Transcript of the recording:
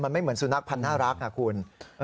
มันไม่เหมือนสุนัขพันธ์น่ารักคุณ